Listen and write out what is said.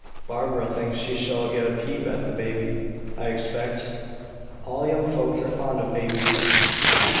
"Barbara thinks she shall get a peep at the baby, I expect. All young folks are fond of babies."